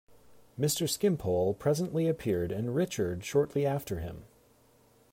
Mr. Skimpole presently appeared, and Richard shortly after him.